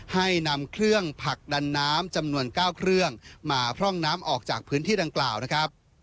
ให้นำเครื่องผลักดันน้ำจำนวน๙เครื่องมาพร่องน้ำออกจากพื้นที่ดังกล่าวนะครับ